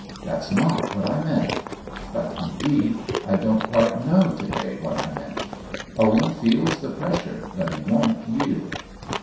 That's not what I meant — but, indeed, I don't quite know to day what I meant. Owen feels the pressure, but he won't yield."